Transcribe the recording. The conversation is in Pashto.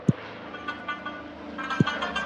ليکوال څرګندوي چي د سياستپوهني اصطلاحات پېچلي دي.